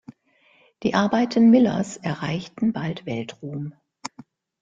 Die Arbeiten Millers erreichten bald Weltruhm.